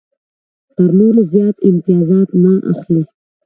تر نورو زیات امتیازات نه اخلي.